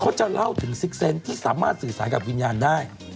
จะเล่าถึงซิกเซนต์ที่สามารถสื่อสารกับวิญญาณได้